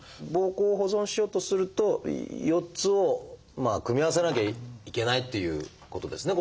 膀胱を保存しようとすると４つを組み合わせなきゃいけないっていうことですね